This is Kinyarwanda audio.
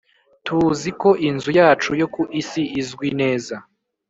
Tuzi ko inzu yacu yo ku isi izwi neza